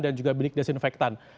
dan juga benik desinfektan